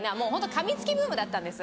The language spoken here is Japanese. かみつきブームだったんです。